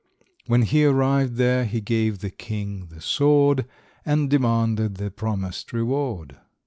When he arrived there he gave the king the sword, and demanded the promised reward.